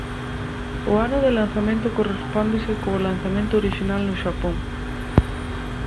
O ano de lanzamento correspóndese co lanzamento orixinal no Xapón.